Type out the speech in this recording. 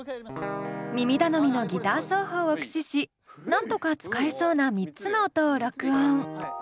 耳頼みのギター奏法を駆使しなんとか使えそうな３つの音を録音。